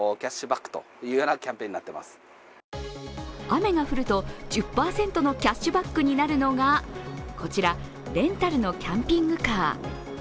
雨が降ると１０％のキャッシュバックになるのがこちら、レンタルのキャンピングカー。